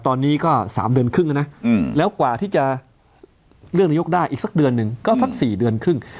ตอนนี้ก็๓เดือนครึ่งแล้วนะแล้วกว่าที่จะเลือกนายกได้อีกสักเดือนหนึ่งก็สัก๔เดือนครึ่ง